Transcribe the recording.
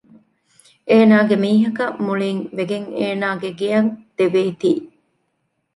އޭނާގެ މީހަކަށް މުޅީންވެގެން އޭނާގެ ގެއަށް ދެވޭތީ